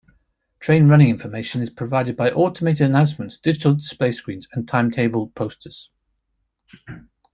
Train running information is provided by automated announcements, digital display screens and timetable posters.